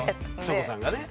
チョコさんがね？